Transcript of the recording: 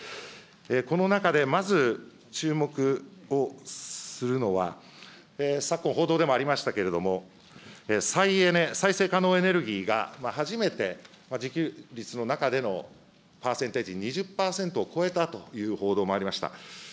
この中でまず注目をするのは、昨今、報道でもありましたけれども、再エネ、再生可能エネルギーが初めて自給率の中でのパーセンテージ、２０％を超えたという報道もありました。